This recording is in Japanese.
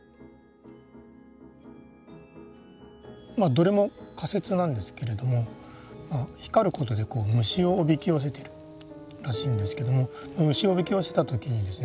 どれも仮説なんですけれども光ることで虫をおびき寄せてるらしいんですけども虫をおびき寄せた時にですね